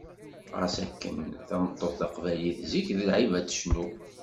Ɣas akken tameṭṭut taqbaylit zik d lɛib ad tecnu.